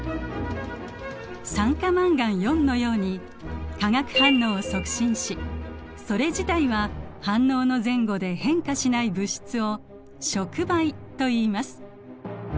酸化マンガンのように化学反応を促進しそれ自体は反応の前後で変化しない物質を触媒といいます。